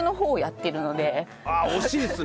ああ惜しいですね！